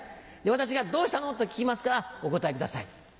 私が「どうしたの？」と聞きますからお答えください。